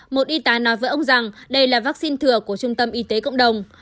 một y tá nói với ông rằng đây là vaccine thừa của trung tâm y tế cộng đồng